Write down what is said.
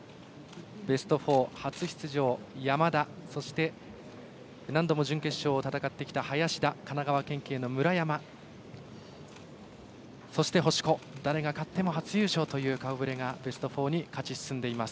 ベスト４初出場、山田何度も準決勝を戦ってきた林田神奈川県警の村山そして、星子誰が勝っても初優勝という顔ぶれがベスト４に勝ち進んでいます。